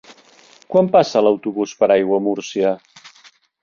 Quan passa l'autobús per Aiguamúrcia?